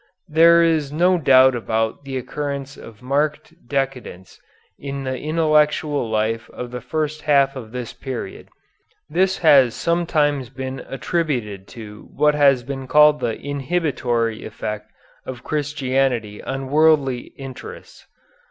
There is no doubt about the occurrence of marked decadence in the intellectual life of the first half of this period. This has sometimes been attributed to what has been called the inhibitory effect of Christianity on worldly interests.